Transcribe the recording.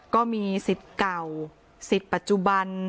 ก็มีสิทธิ์เก่าสิทธิ์ปัจจุบัน